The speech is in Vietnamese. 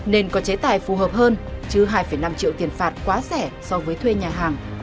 nên có chế tài phù hợp hơn chứ hai năm triệu tiền phạt quá rẻ so với thuê nhà hàng